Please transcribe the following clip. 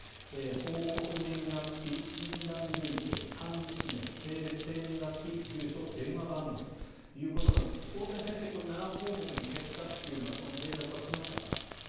報告年月日、診断類型、漢字氏名性別、生年月日、住所、電話番号ということなんですが大谷先生７項目に減ったというのは連絡は来ましたか？